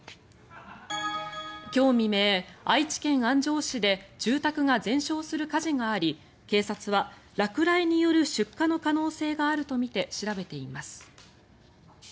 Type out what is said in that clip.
今日未明、愛知県安城市で住宅が全焼する火事があり警察は落雷による出火の可能性があるとみて調べています。